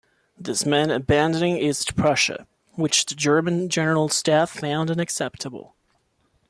This meant abandoning East Prussia, which the German General Staff found unacceptable.